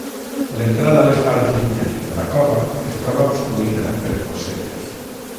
L'entrada a les parts llunyanes de la cova es troba obstruïda per fossetes.